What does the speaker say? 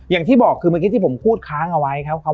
อย่างที่บอกคือเมื่อกี้ที่ผมพูดค้างเอาไว้ครับ